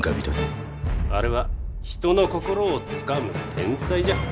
あれは人の心をつかむ天才じゃ。